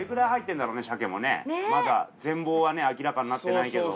まだ全貌は明らかになってないけど。